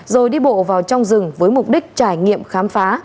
rồi đi bộ vào trong rừng với mục đích trải nghiệm khám phá